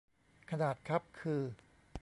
ขนาดคัพคือ